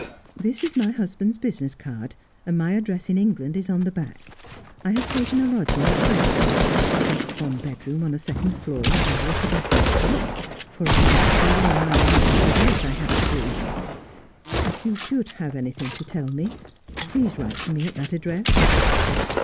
' This is my husband's business card, and my address in England is on the back. I have taken a lodging at Highclere — just one bedroom on a second floor, over a tobacconist's shop, for I want to save all my money for the work I have to do. If you should have anything to tell me, please write to me at that address.'